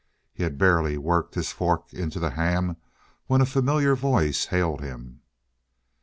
He had barely worked his fork into the ham when a familiar voice hailed him.